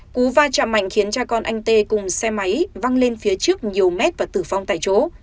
cú va chạm mạnh khiến cha con anh tê cùng xe máy văng lên phía trước nhiều mét và tử vong tại chỗ